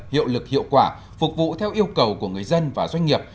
hiệu lực hiệu quả phục vụ theo yêu cầu của người dân và doanh nghiệp